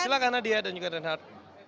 silahkan nadia dan juga reinhardt